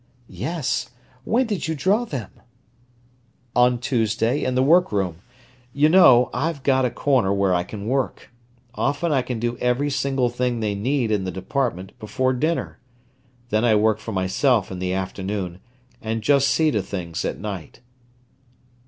"Yes! When did you draw them?" "On Tuesday, in the work room. You know, I've got a corner where I can work. Often I can do every single thing they need in the department, before dinner. Then I work for myself in the afternoon, and just see to things at night."